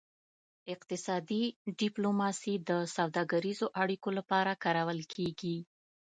اقتصادي ډیپلوماسي د سوداګریزو اړیکو لپاره کارول کیږي